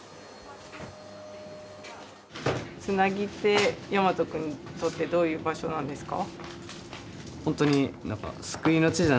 つなぎって大和くんにとってどういう場所なんですか？